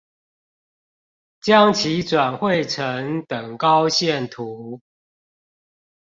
將其轉繪成等高線圖